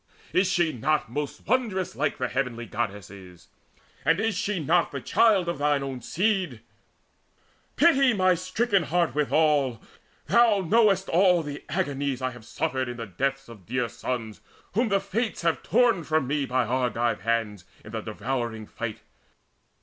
is she not Most wondrous like the heavenly Goddesses? And is she not the child of thine own seed? Pity my stricken heart withal! Thou know'st All agonies I have suffered in the deaths Of dear sons whom the Fates have torn from me By Argive hands in the devouring fight.